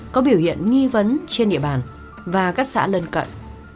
có biểu hiện nghi vấn trên địa bàn và các xã lân cận